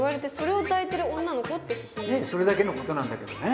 それだけのことなんだけどね。